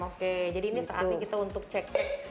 oke jadi ini saatnya kita untuk cek cek